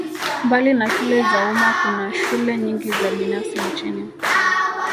Mbali na shule za umma kuna shule nyingi za binafsi nchini